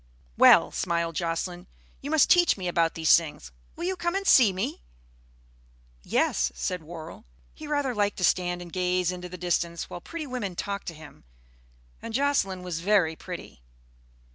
"Well," smiled Jocelyn, "you must teach me about these things. Will you come and see me?" "Yes," said Worrall. He rather liked to stand and gaze into the distance while pretty women talked to him. And Jocelyn was very pretty.